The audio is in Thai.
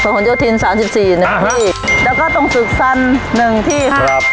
หนโยธินสามสิบสี่หนึ่งที่แล้วก็ตรงฝึกฟันหนึ่งที่ครับ